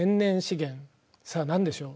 さあ何でしょう？